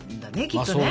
きっとね。